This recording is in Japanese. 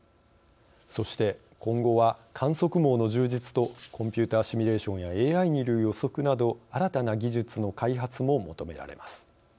そして今後は観測網の充実とコンピューターシミュレーションやＡＩによる予測など新たな技術の開発も求められます。